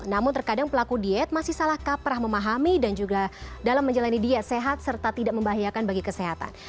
namun terkadang pelaku diet masih salah kaprah memahami dan juga dalam menjalani diet sehat serta tidak membahayakan bagi kesehatan